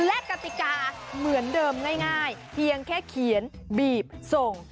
และกติกาเหมือนเดิมง่ายเพียงแค่เขียนบีบส่ง